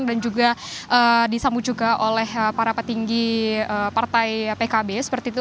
dan juga disambut juga oleh para petinggi partai pkb seperti itu